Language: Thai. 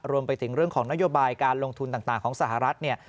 รวมไปถึงเรื่องของนโยบายการลงทุนต่างของสหรัฐเนี่ย